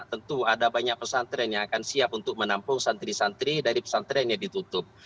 tentu ada banyak pesantren yang akan siap untuk menampung santri santri dari pesantren yang ditutup